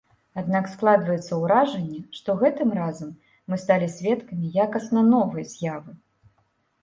Аднак складваецца ўражанне, што гэтым разам мы сталі сведкамі якасна новай з'явы.